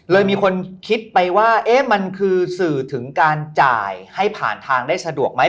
มีคนคิดไปว่ามันคือสื่อถึงการจ่ายให้ผ่านทางได้สะดวกไหม